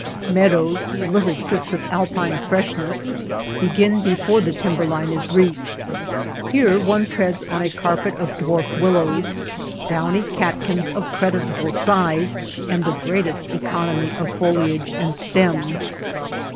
Meadows, little strips of alpine freshness, begin before the timber line is reached. Here one treads on a carpet of dwarf willows, downy catkins of creditable size and the greatest economy of foliage and stems.